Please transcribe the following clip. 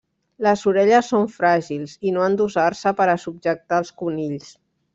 Les orelles són fràgils i no han d'usar-se per a subjectar als conills.